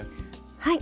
はい。